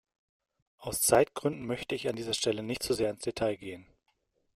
Aus Zeitgründen möchte ich an dieser Stelle nicht zu sehr ins Detail gehen.